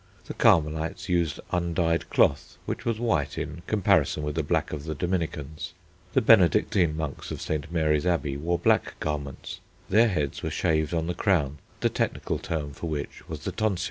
The Carmelites used undyed cloth, which was white in comparison with the black of the Dominicans. The Benedictine monks of St. Mary's Abbey wore black garments. Their heads were shaved on the crown, the technical term for which was the tonsure.